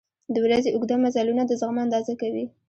• د ورځې اوږده مزلونه د زغم اندازه کوي.